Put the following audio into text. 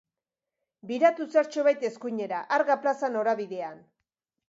Biratu zertxobait eskuinera Arga plaza norabidean.